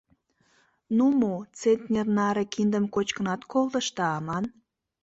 — Ну мо, центнер наре киндым кочкынат колтышда аман?